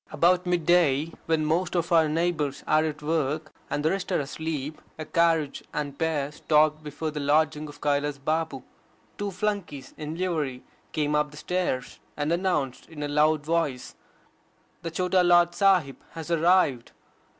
About mid day, when most of our neighbours are at work, and the rest are asleep, a carriage and pair stopped before the lodging of Kailas Babu. Two flunkeys in livery came up the stairs, and announced in a loud voice, "The Chota Lord Sahib hoe arrived."